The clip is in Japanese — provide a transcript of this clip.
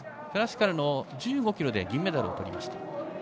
クラシカルの１５ｋｍで銀メダルをとりました。